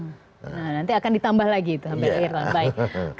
nah nanti akan ditambah lagi itu hampir akhir tahun baik